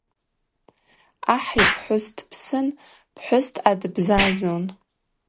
Ахӏ йпхӏвыс дпсын пхӏвысдъа дбзазун.